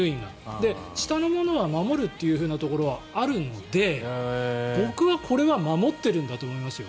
下の者は守るということはあるので僕はこれは守ってるんだと思いますよ。